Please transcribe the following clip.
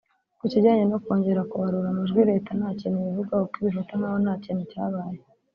Ku kijyanye ko kongera kubarura amajwi leta nta kintu ibivugaho kuko ibifata nk’aho nta kintu cyabaye